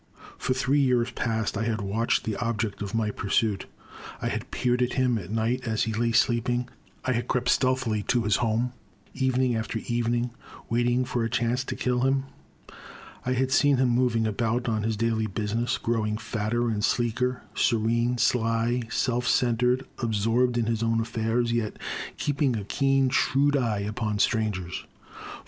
For three years past I had watched the object of my pursuit; I had peered at him at night as he lay sleeping, I had crept stealthily to his home, evening after evening, waiting for a chance to kill him. I had seen him moving about on his daily business, growing fatter and sleeker, serene, sly, self centred, absorbed in his own affairs, yet keeping a keen, shrewd eye upon strangers. For 265 266 The Crime.